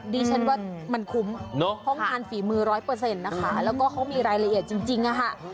ดีฉันว่ามันคุ้มห้องการฝีมือ๑๐๐นะคะแล้วก็เขามีรายละเอียดจริงอะฮะ